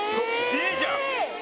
いいじゃん！